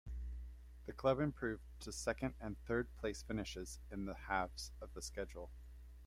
The club improved to second and third-place finishes in the halves of the schedule.